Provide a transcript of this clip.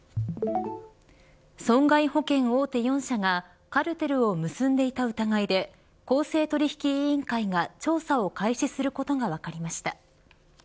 損害保険大手４社がカルテルを結んでいた疑いで公正取引委員会が調査を開始することが分かりました。